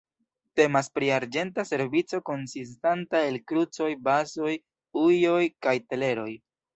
Temas pri arĝenta servico konsistanta el kruĉoj, vazoj, ujoj kaj teleroj.